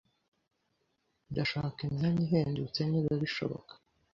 Ndashaka imyanya ihendutse, niba bishoboka.